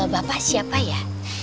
bapak siapa ya